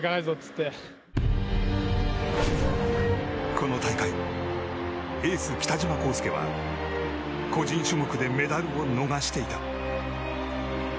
この大会エース、北島康介は個人種目でメダルを逃していた。